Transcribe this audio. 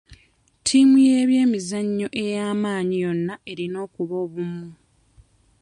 Ttiimu y'ebyemizannyo ey'amaanyi yonna erina okuba wamu.